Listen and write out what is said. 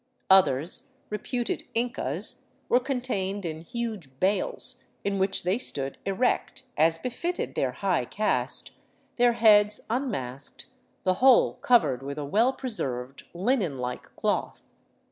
Others, reputed Incas, were contained in huge bales in which they stood erect, as befitted their high caste, their heads unmasked, the whole covered with a well preserved linen like cloth.